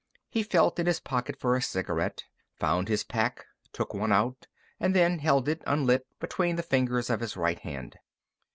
He felt in his pocket for a cigarette, found his pack, took one out, and then held it, unlit, between the fingers of his right hand.